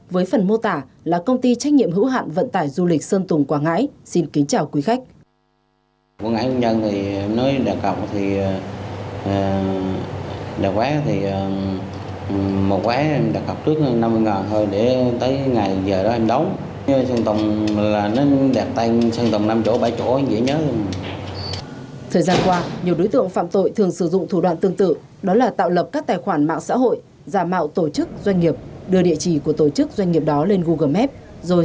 với phần mô tả là công ty trách nhiệm hữu hạn vận tải du lịch sơn tùng quảng ngãi